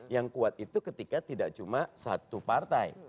yang kuat itu ketika tidak cuma satu partai